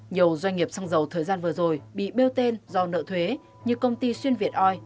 nhiều doanh nghiệp xăng dầu thời gian vừa rồi bị bêu tên do nợ thuế như công ty xuyên việt oi